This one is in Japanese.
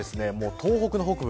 東北の北部